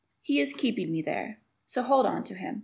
He is keeping me there. So hold on to him.